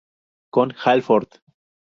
Con Halford